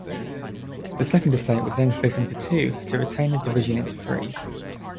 The Second Estate was then split into two to retain the division into three.